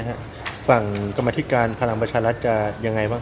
แบบฝั่งกรรมฐิกานะพลังประชารัตน์จะอย่างไรบ้าง